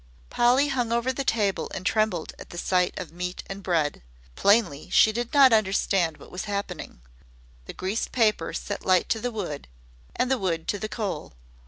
Polly hung over the table and trembled at the sight of meat and bread. Plainly, she did not understand what was happening. The greased paper set light to the wood, and the wood to the coal.